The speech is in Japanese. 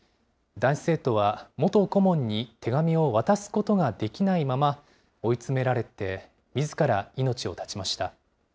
男子生徒は元顧問に手紙を渡すことができないまま、追い詰められて、みずから命を絶ちました。